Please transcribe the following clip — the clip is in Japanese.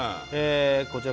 こちら